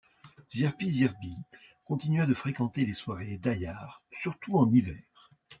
Zirpi Zirbi continua de fréquenter les soirées d'Ayarre, surtout en hiver.